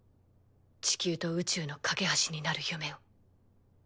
地球と宇宙の懸け橋になる夢を。